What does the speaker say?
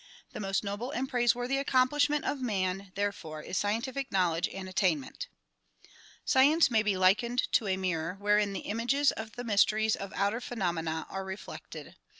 The most noble and praiseworthy accomplishment of man therefore is scientific knowledge and attainment. Science may be likened to a mirror wherein the images of the mysteries of outer phenomena are reflected.